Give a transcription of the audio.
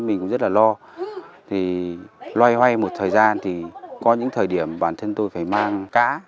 mình cũng loay hoay một thời gian thì có những thời điểm bản thân tôi phải mang cá